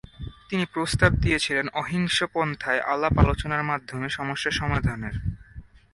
তিনি প্রস্তাব দিয়েছিলেন অহিংস পন্থায় আলাপ-আলোচনার মাধ্যমে সমস্যা সমাধানের।